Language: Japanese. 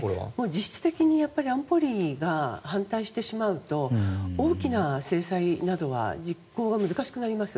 実質的に安保理が反対してしまうと大きな制裁などは実行が難しくなります。